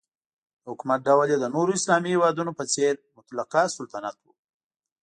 د حکومت ډول یې د نورو اسلامي هیوادونو په څېر مطلقه سلطنت و.